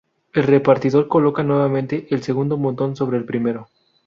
El repartidor coloca nuevamente el segundo montón sobre el primero.